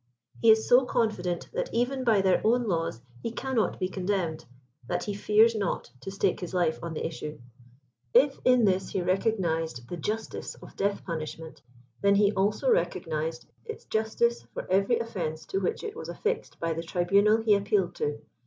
He is so confident that even by their own laws he cannot be condemned, that he fears not to stake his life on the ii<s(ue. If in this he recog nised the justice of death punishment, then he also recognised 'its justice for every oiTense to which it was affixed by the tribunal he appealed to.